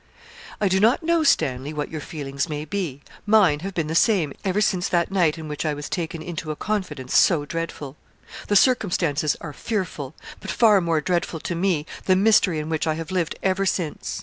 'I do not know, Stanley, what your feelings may be. Mine have been the same ever since that night in which I was taken into a confidence so dreadful. The circumstances are fearful; but far more dreadful to me, the mystery in which I have lived ever since.